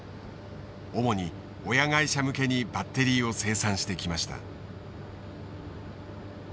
主に親会社向けにバッテリーを生産してきました。